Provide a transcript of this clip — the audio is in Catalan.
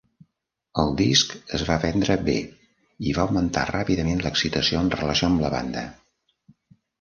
El disc es va vendre bé, i va augmentar ràpidament l'excitació en relació amb la banda.